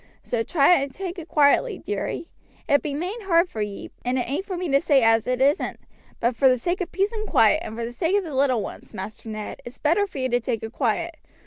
So try and take it quietly, dearie. It be main hard for ye, and it ain't for me to say as it isn't; but for the sake of peace and quiet, and for the sake of the little ones, Master Ned, it's better for you to take it quiet.